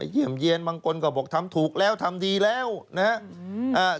เยี่ยมเยี่ยนบางคนก็บอกทำถูกแล้วทำดีแล้วนะครับ